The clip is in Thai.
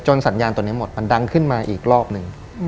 สัญญาณตัวนี้หมดมันดังขึ้นมาอีกรอบหนึ่ง